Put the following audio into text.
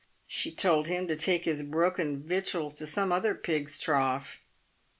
She told him to take his broken victuals to some other pig's trough.